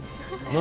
何？